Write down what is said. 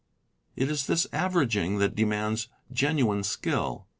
It is this averaging that demands genuine skill.